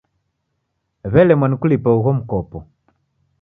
W'elemwa ni kulipa ugho mkopo.